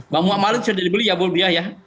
bang mu'ammal itu sudah dibeli ya budia ya